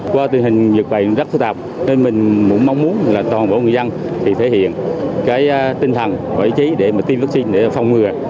qua tình hình dịch bệnh rất phức tạp nên mình cũng mong muốn là toàn bộ người dân thì thể hiện cái tinh thần và ý chí để tiêm vaccine để phòng ngừa